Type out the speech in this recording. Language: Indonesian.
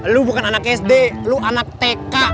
lu bukan anak sd lo anak tk